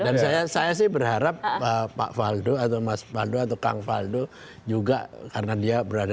dan saya sih berharap pak paldo atau mas paldo atau kang paldo juga karena dia berada